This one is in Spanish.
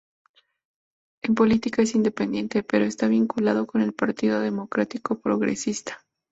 En política es independiente, pero está vinculado con el Partido Democrático Progresista.